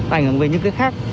ảnh hưởng đến những cái khác